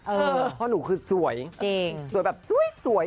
เพราะหนูคือสวย